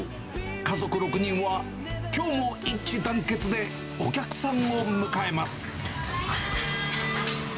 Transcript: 家族６人は、きょうも一致団結でお客さんを迎えます。